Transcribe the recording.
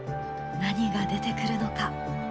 何が出てくるのか？